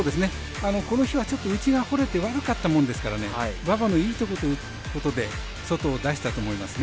この日はちょっと内が悪いものでしたから馬場のいいところということで外を出したと思います。